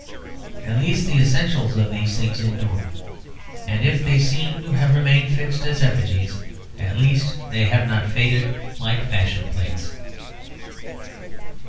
At least the essentials of these things endure; and if they seem to have remained fixed as effigies, at least they have not faded like fashion plates.